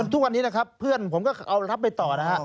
ทุกวันนี้นะครับเพื่อนผมก็เอารับไปต่อนะฮะ